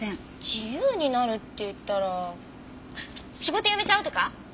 自由になるっていったら仕事辞めちゃうとか？